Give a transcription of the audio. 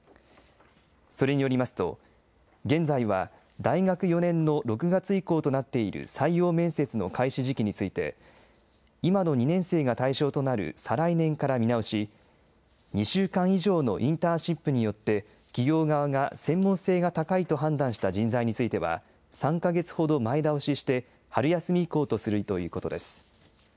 それによりますと、現在は大学４年の６月以降となっている採用面接の開始時期について、今の２年生が対象となる再来年から見直し、２週間以上のインターンシップによって企業側が専門性が高いと判断した人材については、３か月ほど前倒しして、春休み以降とするということです。